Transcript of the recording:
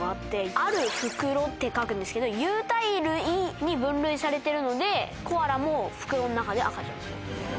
「有る袋」って書くんですけど「有袋類」に分類されてるのでコアラも袋の中で赤ちゃんを育てます。